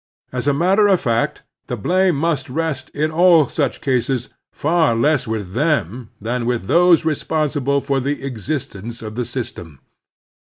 Z3 178 The Strenuous Life As a matter of fact, the blame must rest in all such cases far less with them than with those responsible for the existence of the system.